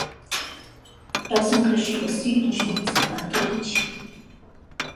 Eu sun creschüda sü in Svizra, a Turich.